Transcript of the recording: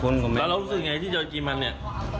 แล้วเรารู้สึกไงที่โดนกินมันเนี่ย